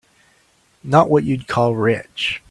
Not what you'd call rich.